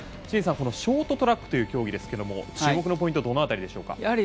清水さん、ショートトラックという競技ですが注目のポイントはどの辺りでしょう。